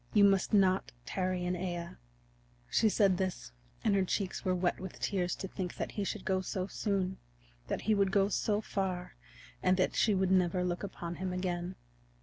You must not tarry in Aea." She said this and her cheeks were wet with tears to think that he should go so soon, that he would go so far, and that she would never look upon him again.